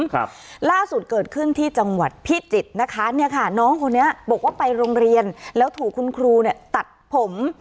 ครับล่าสุดเกิดขึ้นที่จังหวัดพิจิตรนะคะเนี่ยค่ะน้องคนนี้บอกว่าไปโรงเรียนแล้วถูกคุณครูเนี่ยตัดผม